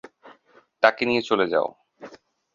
তাকে নিয়ে চলে যাও।